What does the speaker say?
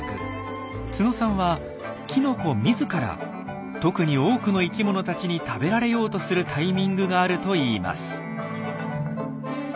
都野さんはきのこ自ら特に多くの生きものたちに食べられようとするタイミングがあるといいます。